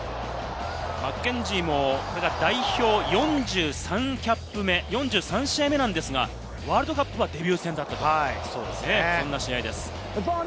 マッケンジーもこれが代表４３キャップ目、４３試合目なのですが、ワールドカップはデビュー戦でした。